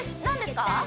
何ですか？